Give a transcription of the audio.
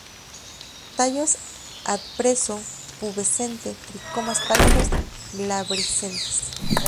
Tallos adpreso-pubescentes, tricomas pálidos, glabrescentes.